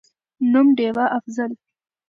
نوم: ډېوه«افضل»